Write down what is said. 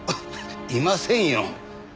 いませんよ。